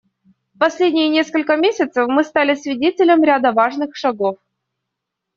В последние несколько месяцев мы стали свидетелями ряда важных шагов.